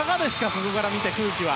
そこから見た空気は。